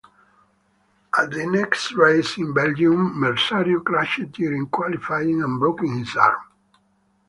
At the next race in Belgium, Merzario crashed during qualifying and broke his arm.